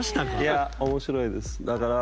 いや、面白いです。